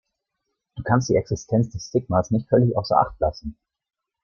Du kannst die Existenz des Stigmas nicht völlig außer Acht lassen.